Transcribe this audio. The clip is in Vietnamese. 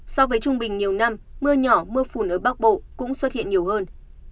so với trung bình nhiều năm mưa nhỏ mưa phùn ở bắc bộ cũng xuất hiện nhiều hơn